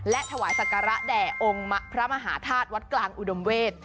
และถวายศักระแด่องค์พระมหาธาตุวัดกลางอุดมเวศ